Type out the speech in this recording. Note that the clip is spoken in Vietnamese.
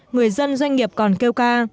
người dân doanh nghiệp còn kêu ca